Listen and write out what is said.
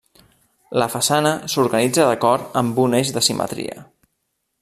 La façana s'organitza d'acord amb un eix de simetria.